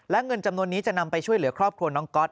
และเงินจำนวนนี้จะนำไปช่วยเหลือครอบครัวน้องก๊อต